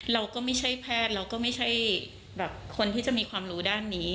เราก็ไม่ใช่แพทย์เราก็ไม่ใช่แบบคนที่จะมีความรู้ด้านนี้